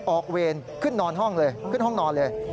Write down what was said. ออกเวรขึ้นนอนห้องเลย